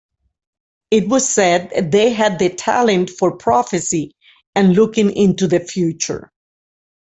It was said they had the talent for prophecy and looking into the future.